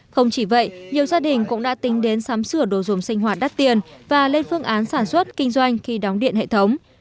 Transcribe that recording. không chỉ vậy nhiều gia đình cũng đã tính đến sắm sửa đồ dùng sinh hoạt đắt tiền và lên phương án sản xuất kinh doanh khi đóng điện hệ thống